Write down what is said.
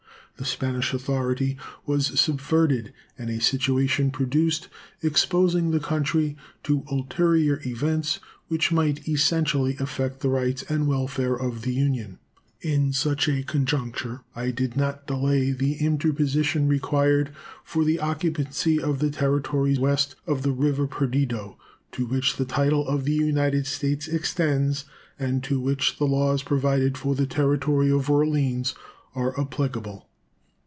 The Spanish authority was subverted and a situation produced exposing the country to ulterior events which might essentially affect the rights and welfare of the Union. In such a conjuncture I did not delay the interposition required for the occupancy of the territory west of the river Perdido, to which the title of the United States extends, and to which the laws provided for the Territory of Orleans are applicable.